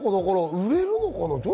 売れるのかな？